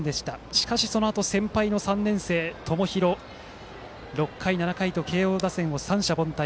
しかし、そのあと先輩の３年生友廣が６回、７回と慶応打線を三者凡退。